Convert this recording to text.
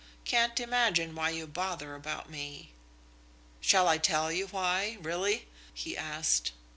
Can't imagine why you bother about me." "Shall I tell you why, really?" he asked.